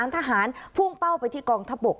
ทหารพุ่งเป้าไปที่กองทัพบก